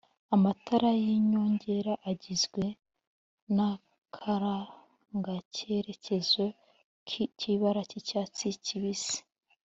Amatara y'inyongera agizwe n'akarangacyerekezo k'ibara ry'icyatsi kibisi